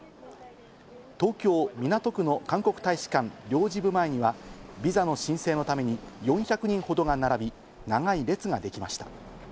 東京・港区の韓国大使館領事部前にはビザの申請のために４００人ほどが並び、長い列ができました。